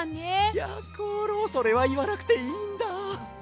やころそれはいわなくていいんだ。